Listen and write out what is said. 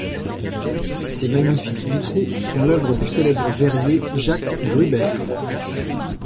Ses magnifiques vitraux sont l'œuvre du célèbre verrier Jacques Gruber.